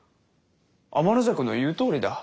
天の邪鬼の言うとおりだ。